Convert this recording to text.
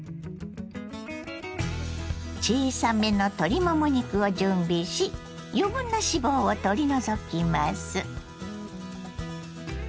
小さめの鶏もも肉を準備し余分な脂肪を取り除きます。